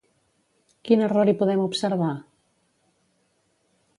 Quin error hi podem observar?